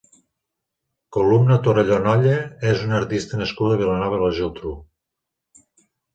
Columna Torelló Nolla és una artista nascuda a Vilanova i la Geltrú.